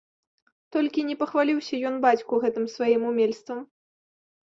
Толькі не пахваліўся ён бацьку гэтым сваім умельствам.